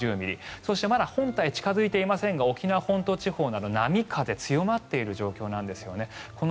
そして、まだ本体は近付いていませんが沖縄本島など波風強まっている状況です。